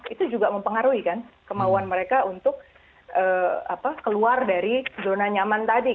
itu juga mempengaruhi kan kemauan mereka untuk keluar dari zona nyaman tadi